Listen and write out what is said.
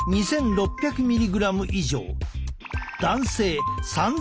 ３，０００ｍｇ以上。